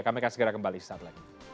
kami akan segera kembali saat lagi